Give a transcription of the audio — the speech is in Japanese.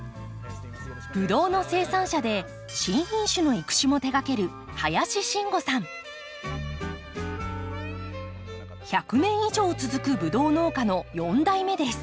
ブドウの生産者で新品種の育種も手がける１００年以上続くブドウ農家の４代目です。